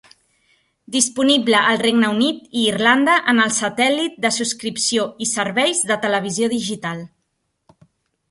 Disponible al Regne Unit i Irlanda en el satèl·lit de subscripció i serveis de televisió digital.